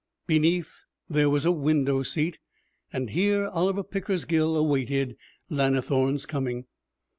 Beneath, there was a window seat, and here Oliver Pickersgill awaited Lannithorne's coming.